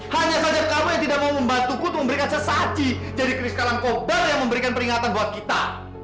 hanya saja kamu yang tidak mau membantuku itu memberikan sesati jadi keris karangkobar yang memberikan peringatan buat kita